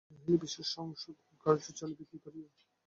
এ নহিলে বিশ্বের সংশোধনকার্য চলিবে কী করিয়া?